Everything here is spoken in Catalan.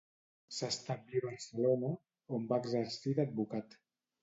S'establí a Barcelona, on va exercir d'advocat.